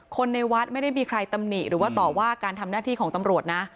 คนในวัดไม่ได้มีใครตำหนิหรือว่าต่อว่าการทำหน้าที่ของตำรวจนะ